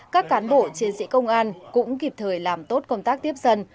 các cán bộ chiến sĩ công an cũng kịp thời làm tốt công tác tiếp dân